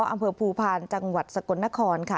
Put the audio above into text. อำเผื่อภูภาณจังหวัดสระกนนาคท์ค่ะ